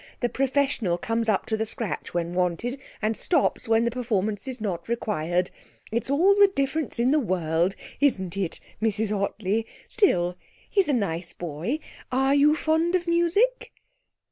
The professional comes up to the scratch when wanted and stops when the performance is not required. It's all the difference in the world, isn't it, Mrs Ottley? Still, he's a nice boy. Are you fond of music?'